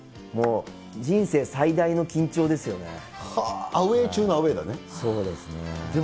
もう人生最大の緊張ですよね。